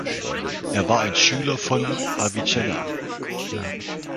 Er war ein Schüler von Avicenna.